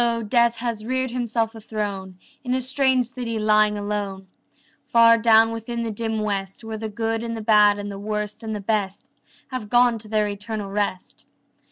Death has reared himself a throne In a strange city lying alone Far down within the dim West, Where the good and the bad and the worst and the best Have gone to their eternal rest.